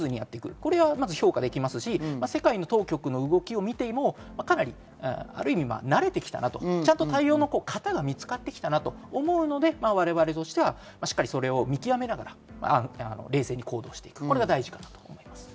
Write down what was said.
それは評価できますし、世界の当局の動きを見てみても、ある程度慣れてきたなと、型が見つかってきたなと思うので、我々としてはそれを見極めながら、冷静に行動していくことが大事かなと思います。